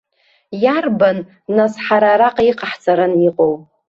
Иарбан, нас, ҳара араҟа иҟаҳҵараны иҟоу!